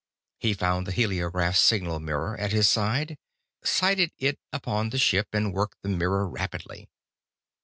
He found the heliograph signal mirror at his side, sighted it upon the ship, and worked the mirror rapidly.